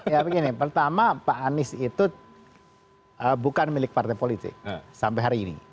ya begini pertama pak anies itu bukan milik partai politik sampai hari ini